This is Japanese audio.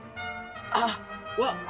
あっわっ。